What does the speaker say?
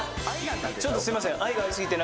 ちょっとすいません。